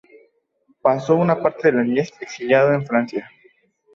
Pasó una parte de la niñez exiliado en Francia.